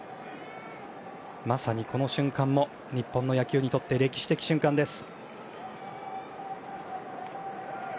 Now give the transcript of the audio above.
まさにこの瞬間も日本の野球にとって歴史的瞬間です。